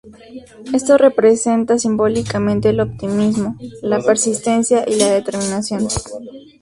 Esto representa simbólicamente el optimismo, la persistencia y la determinación.